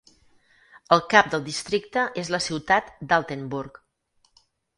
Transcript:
El cap del districte és la ciutat d'Altenburg.